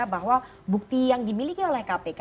bahwa bukti yang dimiliki oleh kpk